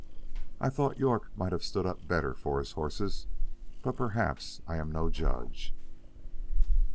I thought York might have stood up better for his horses, but perhaps I am no judge.